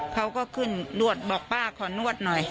เขาก็ขึ้นนวดบอกป้าขอนวดหน่อย